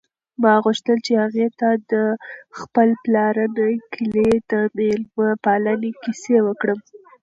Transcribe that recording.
ما غوښتل چې هغې ته د خپل پلارني کلي د مېلمه پالنې کیسې وکړم.